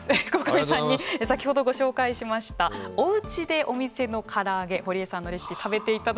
鴻上さんに先ほどご紹介しましたおうちでお店のから揚げほりえさんのレシピ食べていただきます。